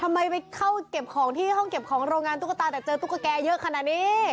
ไปเข้าเก็บของที่ห้องเก็บของโรงงานตุ๊กตาแต่เจอตุ๊กแกเยอะขนาดนี้